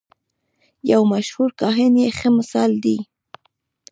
یو مشهور کاهن یې ښه مثال دی.